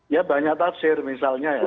ya banyak tafsir misalnya ya